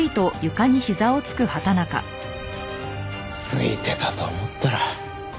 ツイてたと思ったら。